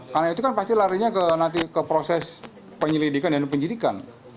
karena itu kan pasti larinya ke proses penyelidikan dan penjidikan